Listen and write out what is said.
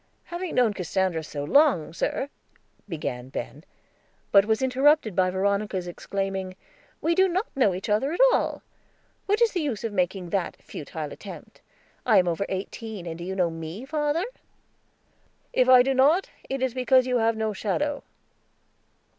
"Having known Cassandra so long, sir," began Ben, but was interrupted by Veronica's exclaiming, "We do not know each other at all. What is the use of making that futile attempt? I am over eighteen, and do you know me, father?" "If I do not, it is because you have no shadow."